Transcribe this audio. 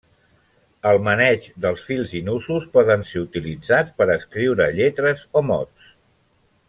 El maneig dels fils i nusos poden ser utilitzats per a escriure lletres o mots.